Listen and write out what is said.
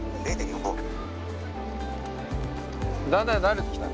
だんだん慣れてきた？